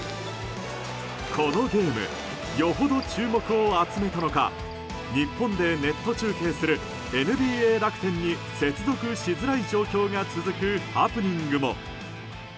このゲームよほど注目を集めたのか日本でネット中継するＮＢＡＲａｋｕｔｅｎに接続しづらい状況が続くハプニングも。